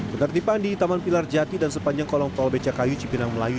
ketertiban di taman pilar jati dan sepanjang kolong tol becak kayu cipinang melayu